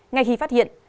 ngay khi phát hiện